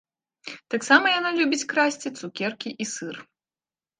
Таксама яна любіць красці цукеркі і сыр.